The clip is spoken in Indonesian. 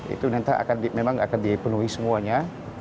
itu nanti memang akan dipenuhi semuanya